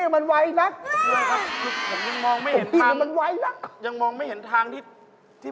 มันเกิดกลับมาอีกแล้วนี่